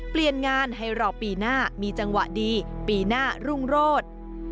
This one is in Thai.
เปลี่ยนงานให้รอปีหน้ามีจังหวะดีปีหน้ารุ่งโรธ